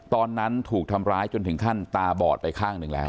ตอนนั้นถูกทำร้ายจนถึงขั้นตาบอดไปข้างหนึ่งแล้ว